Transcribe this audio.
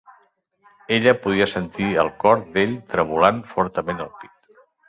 Ella podia sentir el cor d'ell tremolant fortament al pit.